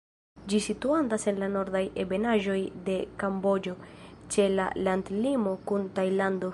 Ĝi situantas en la nordaj ebenaĵoj de Kamboĝo, ĉe la landlimo kun Tajlando.